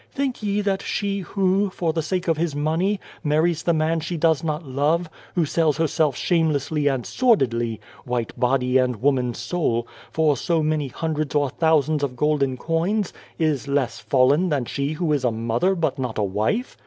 Think ye that she who, for the sake of his money, marries 49 E God and the Ant the man she does not love, who sells herself shamelessly and sordidly white body and woman soul for so many hundreds or thou sands of golden coins is less ' fallen ' than she who is a mother but not a wife?